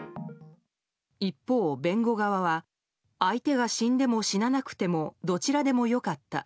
一方、弁護側は相手が死んでも死ななくてもどちらでもよかった。